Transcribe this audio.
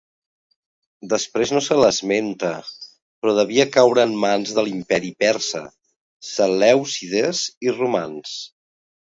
Després no se l'esmenta però devia caure en mans de l'imperi persa, selèucides i romans.